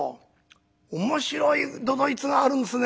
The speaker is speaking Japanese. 「面白い都々逸があるんですね。